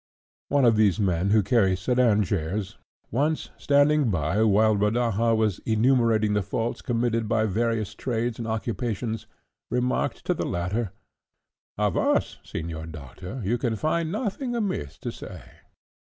One of those men who carry sedan chairs, once standing by while Rodaja was enumerating the faults committed by various trades and occupations, remarked to the latter, "Of us, Señor Doctor, you can find nothing amiss to say."